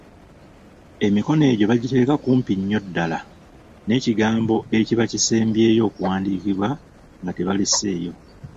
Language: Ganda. Emikono egyo bagiteeka kumpi nnyo ddala n’ekigambo ekiba kisembyeyo okuwandiikibwa nga tebalesseeyo.